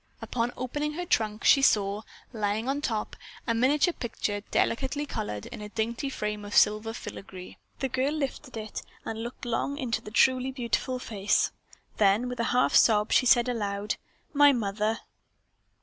Upon opening her trunk she saw, lying on top, a miniature picture delicately colored in a dainty frame of silver filigree. The girl lifted it and looked long into the truly beautiful face. Then with a half sob she said aloud, "My mother!"